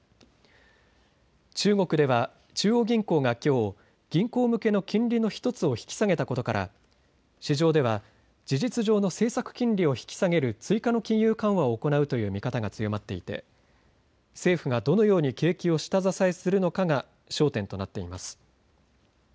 中国では中央銀行がきょう銀行向けの金利の１つを引き下げたことから市場では事実上の政策金利を引き下げる追加の金融緩和を行うという見方が強まっていて政府がどのように景気を下支えするのかが焦点となっています。